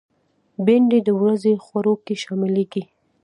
بېنډۍ د ورځې خوړو کې شاملېږي